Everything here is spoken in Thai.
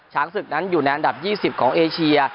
ศึกนั้นอยู่ในอันดับ๒๐ของเอเชีย